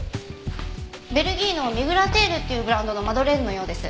ベルギーのミグラテールっていうブランドのマドレーヌのようです。